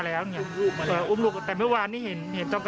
และลักษณะของผู้หญิงคนนี้นะคะ